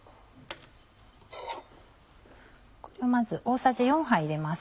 これをまず大さじ４杯入れます。